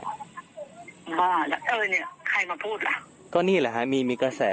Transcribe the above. เออไอ้คนพูดนี่ใครกับพูดบอกมาสิ